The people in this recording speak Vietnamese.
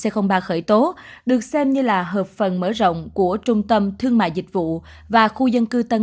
c ba khởi tố được xem như là hợp phần mở rộng của trung tâm thương mại dịch vụ và khu dân cư tân